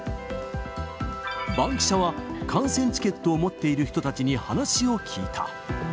バンキシャは、観戦チケットを持っている人たちに話を聞いた。